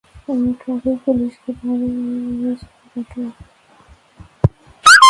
Traffic পুলিশকে ভাবি আর মায়ের ছবি পাঠাও।